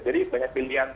jadi banyak pilihan